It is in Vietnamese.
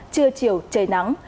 trưa chiều trời nắng